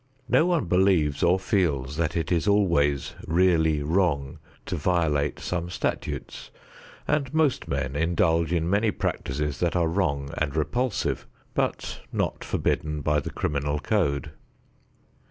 No one believes or feels that it is always really wrong to violate some statutes, and most men indulge in many practices that are wrong and repulsive but not forbidden by the criminal code.